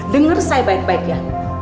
dengar saya baik baik ya